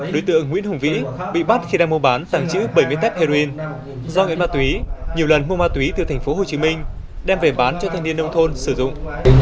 đối tượng nguyễn hùng vĩ bị bắt khi đang mua bán tặng chữ bảy mươi tép heroin do nghiện ma túy nhiều lần mua ma túy từ thành phố hồ chí minh đem về bán cho thanh niên nông thôn sử dụng